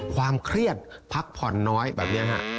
ความเครียดพักผ่อนน้อยแบบนี้ฮะ